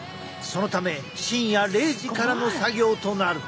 そのため深夜０時からの作業となる。